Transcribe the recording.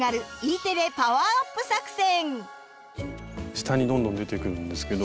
下にどんどん出てくるんですけど。